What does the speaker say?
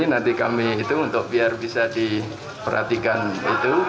nanti kami hitung untuk biar bisa diperhatikan itu